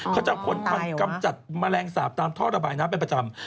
เขาจะกำจัดแมลงสาปตามท่อระบายน้ำเป็นประจำ